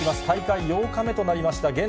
大会８日目となりました。